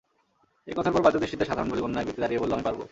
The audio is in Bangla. এ কথার পর বাহ্যদৃষ্টিতে সাধারণ বলে গণ্য এক ব্যক্তি দাঁড়িয়ে বলল—আমি পারব।